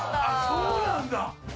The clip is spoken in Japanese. そうなんだ。